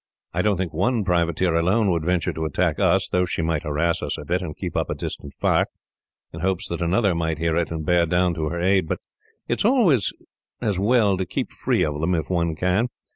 I don't think one privateer alone would venture to attack us, though she might harass us a bit, and keep up a distant fire, in hopes that another might hear it and bear down to her aid. But it is always as well to keep free of them, if one can.